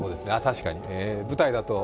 舞台だと？